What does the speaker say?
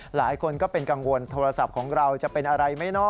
หลายคนก็เป็นกังวลโทรศัพท์ของเราจะเป็นอะไรไหมเนาะ